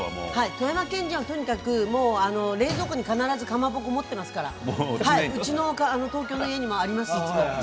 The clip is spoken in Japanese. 富山県人は必ず冷蔵庫にかまぼこを持っていますからうちの東京の家にも常にあります。